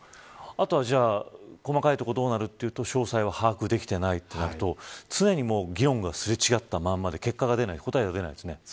あとは細かいところどうなるというと詳細は把握できていないとなると常に議論が、すれ違ったままで答えが出ないですね。